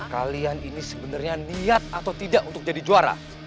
kalian ini sebenarnya niat atau tidak untuk jadi juara